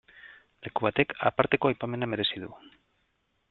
Leku batek aparteko aipamena merezi du.